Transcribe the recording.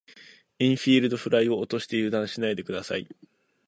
インフィールドフライを落として油断しないで下さい。